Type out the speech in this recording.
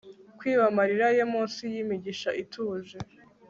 kwiba amarira ye munsi yimigisha ituje